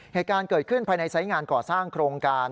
เหตุการณ์เกิดขึ้นภายในไซส์งานก่อสร้างโครงการ